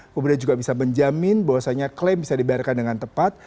kemudian juga bisa menjamin bahwasanya klaim bisa dibayarkan dengan tepat